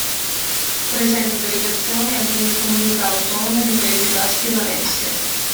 Presenta delegazioni anche nelle comunità autonome di Paesi Baschi e Valencia.